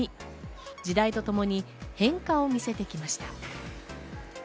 時代とともに変化を見せてきました。